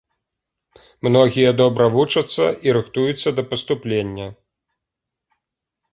Многія добра вучацца і рыхтуюцца да паступлення.